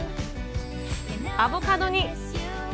アボカドに。